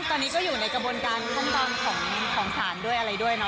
ตอนนี้ก็อยู่ในกระบวนการท่องตอนของสารด้วยอะไรด้วย